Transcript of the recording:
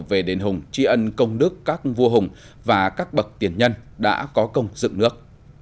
về đền hùng tri ân công đức các vua hùng và các bậc tiền nhân đã có công dựng nước